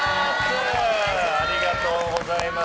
ありがとうございます。